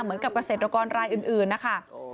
เหมือนกับเกษตรกรรายอื่นนะคะ